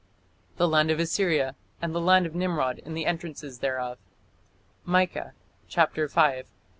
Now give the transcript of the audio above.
The land of Assyria ... and the land of Nimrod in the entrances thereof (Micah, v, 6).